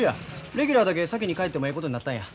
レギュラーだけ先に帰ってもええことになったんや。